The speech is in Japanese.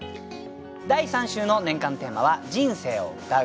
第３週の年間テーマは「人生を詠う」。